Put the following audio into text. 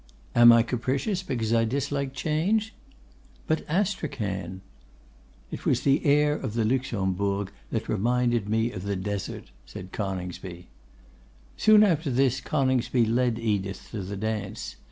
'Am I capricious because I dislike change?' 'But Astrachan?' 'It was the air of the Luxembourg that reminded me of the Desert,' said Coningsby. Soon after this Coningsby led Edith to the dance.